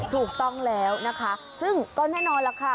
ถูกต้องแล้วนะคะซึ่งก็แน่นอนล่ะค่ะ